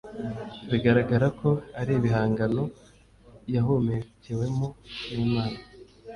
bigaragara ko ari ibihangano yahumekewemo n’Imana